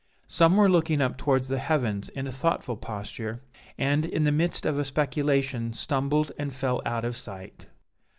"Some were looking up towards the heavens in a thoughtful posture, and, in the midst of a speculation, stumbled and fell out of sight.